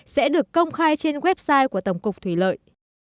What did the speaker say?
sẽ được công khai trên website của tổng cục thủy lợi